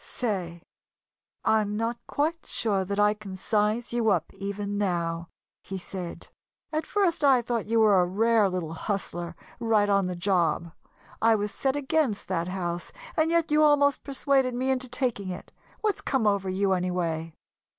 "Say, I'm not quite sure that I can size you up, even now," he said. "At first I thought that you were a rare little hustler, right on the job. I was set against that house and yet you almost persuaded me into taking it. What's come over you, anyway?"